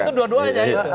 itu dua duanya itu